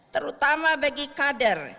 terutama bagi kader